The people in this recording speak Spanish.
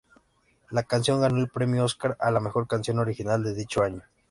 La canción ganó el premio Óscar a la mejor canción original de dicho año.